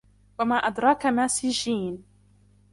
وَمَا أَدْرَاكَ مَا سِجِّينٌ